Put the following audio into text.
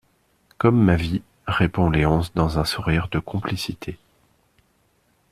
Comme ma vie, répond Léonce dans un sourire de complicité.